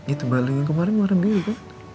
itu balon yang kemarin warna biru kan